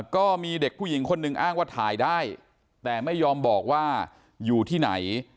ก็มีเด็กผู้หญิงคนหนึ่งอ้างว่าถ่ายได้แต่ไม่ยอมบอกว่าอยู่ที่ไหน